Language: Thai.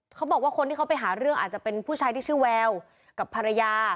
เขาบอกว่าคนที่เขาไปหาเรื่องอาจจะเป็นผู้ชายที่ชื่อแววกับภรรยา